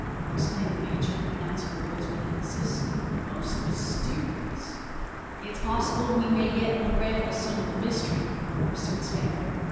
exclaimed the major, pronouncing the words with emphasis "most mysterious!" "It's possible we may yet unravel some o' the mystery," pursued Spangler.